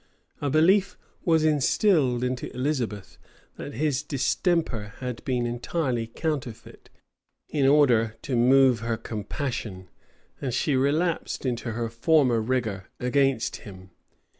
A belief was instilled into Elizabeth, that his distemper had been entirely counterfeit, in order to move her compassion;[] and she relapsed into her former rigor against him.